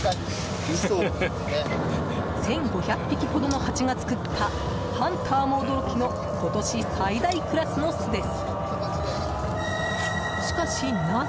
１５００匹ほどのハチが作ったハンターも驚きの今年最大クラスの巣です。